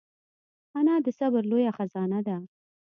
انا د صبر لویه خزانه ده